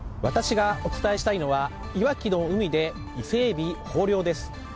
私がお伝えしたいのはいわきの海でイセエビ豊漁です。